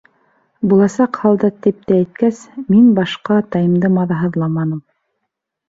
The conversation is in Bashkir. Буласаҡ һалдат тип тә әйткәс, мин башҡа атайымды маҙаһыҙламаным.